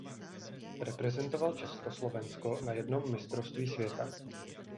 Reprezentoval Československo na jednom mistrovství světa.